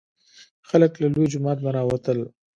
خلک له لوی جومات نه راوتل.